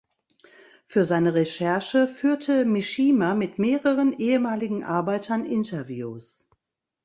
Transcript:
Für seine Recherche führte Mishima mit mehreren ehemaligen Arbeitern Interviews.